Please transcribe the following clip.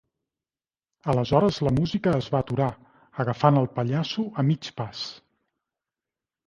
Aleshores la música es va aturar, agafant al pallasso a mig pas.